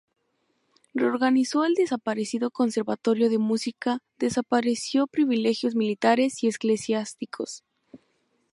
Reorganizó el desaparecido conservatorio de música Desapareció privilegios militares y eclesiásticos.